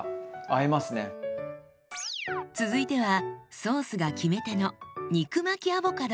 続いてはソースが決め手の肉巻きアボカド。